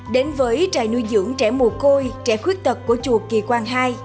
đến với trại nuôi dưỡng trẻ mù côi trẻ khuyết tật của chùa kỳ quang hai